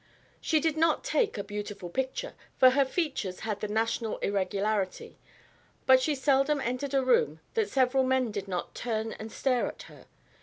She did not take a beautiful picture, for her features had the national irregularity, but she seldom entered a room that several men did not turn and stare at her.